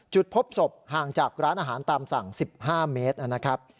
จุดพบศพห่างจากร้านอาหารตามสั่ง๑๕เมตรนะครับ